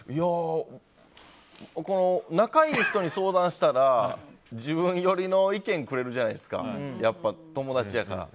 仲がいい人に相談したら自分寄りの意見をくれるじゃないですかやっぱ、友達やから。